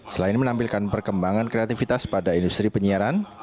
selain menampilkan perkembangan kreativitas pada industri penyiaran